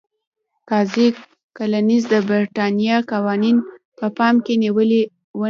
قاضي کالینز د برېټانیا قوانین په پام کې ونه نیول.